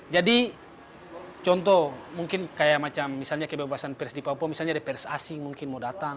jadi contoh mungkin kayak macam misalnya kebebasan pers di papua misalnya ada pers asing mungkin mau datang